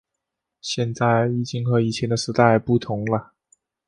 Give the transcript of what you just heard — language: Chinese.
现在已经和以前的时代不同了